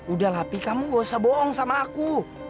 udah lah pi kamu nggak usah bohong sama aku